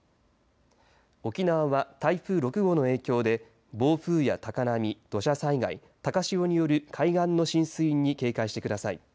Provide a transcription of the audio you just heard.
沖縄は台風６号の影響で暴風や高波、土砂災害高潮による海岸の浸水に警戒してください。